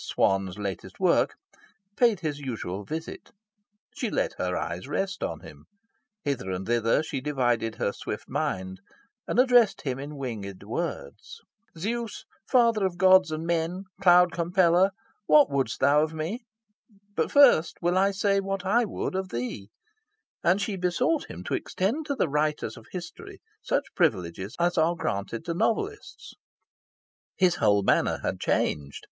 Swan's latest work) paid his usual visit. She let her eyes rest on him. Hither and thither she divided her swift mind, and addressed him in winged words. "Zeus, father of gods and men, cloud compeller, what wouldst thou of me? But first will I say what I would of thee"; and she besought him to extend to the writers of history such privileges as are granted to novelists. His whole manner had changed.